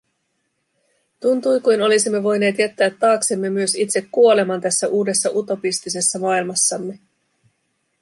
Tuntui kuin olisimme voineet jättää taaksemme myös itse kuoleman tässä uudessa utopistisessa maailmassamme.